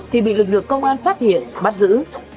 thì bị lực lượng công an phát hiện bắt giữ